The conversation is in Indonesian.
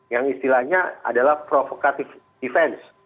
yang istilahnya adalah provocative defense